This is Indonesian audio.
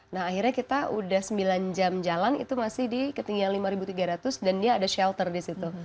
nah akhirnya kita udah sembilan jam jalan itu masih di ketinggian lima tiga ratus dan dia ada shelter di situ